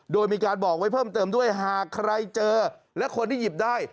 โดยมีการบอกไว้เพิ่มเติมด้วยหากใครเจอและคนที่หยิบได้